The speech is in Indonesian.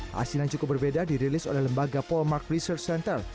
hasil yang cukup berbeda dirilis oleh lembaga polmark research center